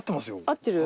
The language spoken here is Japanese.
合ってる？